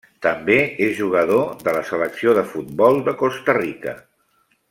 També és jugador de la selecció de futbol de Costa Rica.